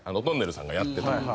とんねるずさんがやってる。